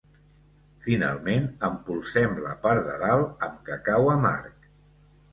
Finalment, empolsem la part de dalt amb cacau amarg.